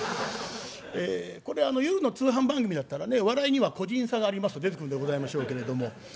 えこれあの夜の通販番組だったらね「笑いには個人差があります」と出てくるんでございましょうけれどもええ。